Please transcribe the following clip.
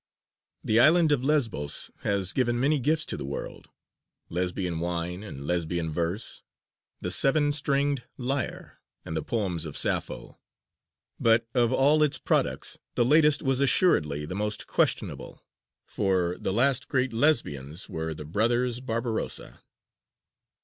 The island of Lesbos has given many gifts to the world Lesbian wine and Lesbian verse, the seven stringed lyre, and the poems of Sappho; but of all its products the latest was assuredly the most questionable, for the last great Lesbians were the brothers Barbarossa.